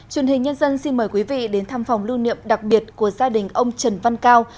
truyền hình nhân dân xin mời quý vị đến thăm phòng lưu niệm đặc biệt của gia đình ông trần văn cao